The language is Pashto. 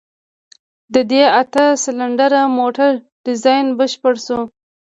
د دې اته سلنډره موټر ډيزاين بشپړ شو.